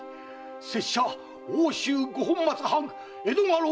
拙者奥州五本松藩江戸家老